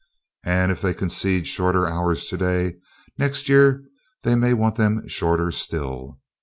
And if they concede shorter hours today, next year they may want them shorter still.